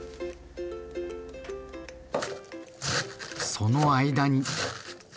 その間に。